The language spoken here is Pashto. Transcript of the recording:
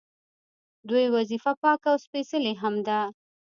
دوی وظیفه پاکه او سپیڅلې هم ده.